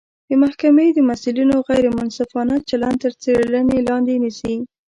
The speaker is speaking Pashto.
د محکمې د مسوولینو غیر منصفانه چلند تر څیړنې لاندې نیسي